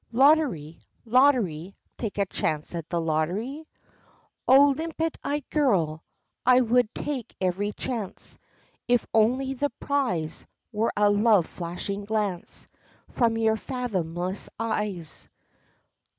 Lottery, lottery, Take a chance at the lottery?" Oh, limpid eyed girl, I would take every chance, If only the prize Were a love flashing glance From your fathomless eyes.